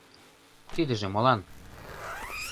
«Тидыже молан?